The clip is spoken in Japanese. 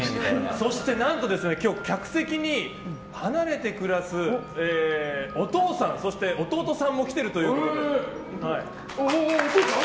そして、何と客席に離れて暮らすお父さん、そして弟さんも来ているということで。